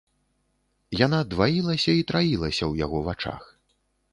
Яна дваілася і траілася ў яго вачах.